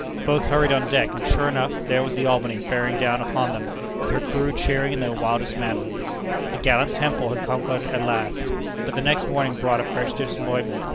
Both hurried on deck, and sure enough there was the Albany bearing down upon them, with her crew cheering in the wildest manner. The gallant Temple had conquered at last. But the next morning brought a fresh disappointment.